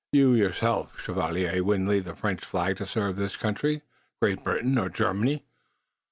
You yourself, Chevalier, wouldn't leave the French flag to serve this country, Great Britain or Germany."